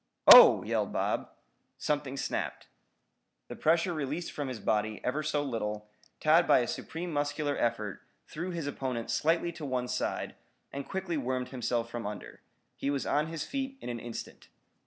"Oh!" yelled Bob. Something snapped. The pressure released from his body, ever so little, Tad by a supreme muscular effort, threw his opponent slightly to one side, and quickly wormed himself from under. He was on his feet in an instant.